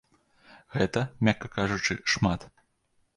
Гэта, мякка кажучы, шмат.